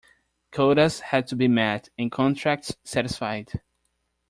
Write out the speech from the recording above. Quotas had to be met and contracts satisfied.